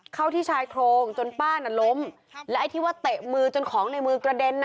เข้าที่ชายโครงจนป้าน่ะล้มและไอ้ที่ว่าเตะมือจนของในมือกระเด็นน่ะ